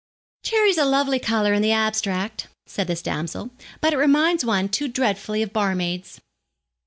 'Cherry's a lovely colour in the abstract,' said this damsel, 'but it reminds one too dreadfully of barmaids.'